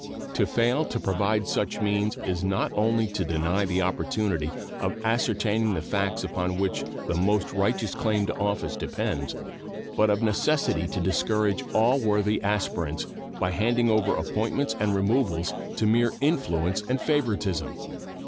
To fail to provide such means is not only to deny the opportunity of ascertaining the facts upon which the most righteous claim to office depends, but of necessity to discourage all worthy aspirants by handing over appointments and removals to mere influence and favoritism.